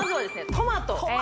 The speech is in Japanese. トマト